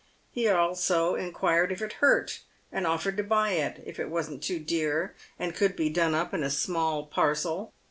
He also inquired if it hurt, and offered to buy it, if it wasn't too dear, and could be done up in a small parcel.